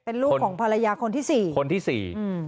เป็นลูกของภรรยาคนที่๔